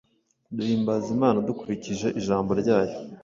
Duhimbaza Imana dukurikije Ijambo ryayo